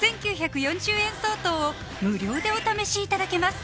５９４０円相当を無料でお試しいただけます